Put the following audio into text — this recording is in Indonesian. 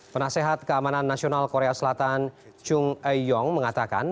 penasehat keamanan nasional korea selatan chung e yong mengatakan